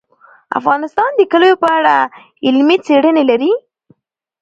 افغانستان د کلیو په اړه علمي څېړنې لري.